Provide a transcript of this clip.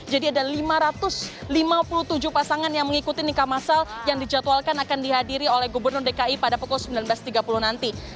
ada lima ratus lima puluh tujuh pasangan yang mengikuti nikah masal yang dijadwalkan akan dihadiri oleh gubernur dki pada pukul sembilan belas tiga puluh nanti